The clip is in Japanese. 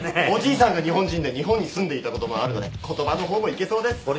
おじいさんが日本人で日本に住んでいたこともあるので言葉の方もいけそうです。